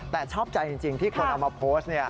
แต่ชอบใจจริงที่คนเอามาโพสต์